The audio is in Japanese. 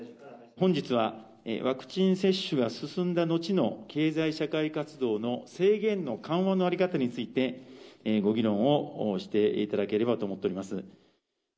本日はワクチン接種が進んだ後の経済社会活動の制限の緩和の在り方について、ご議論をしていただければと思っております。